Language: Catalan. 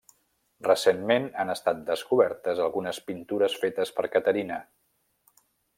Recentment han estat descobertes algunes pintures fetes per Caterina.